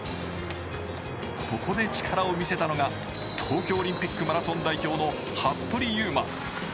ここで力を見せたのが、東京オリンピックマラソン代表の服部勇馬。